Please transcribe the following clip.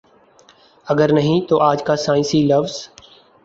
اگر نہیں تو آج کا سائنسی لفظ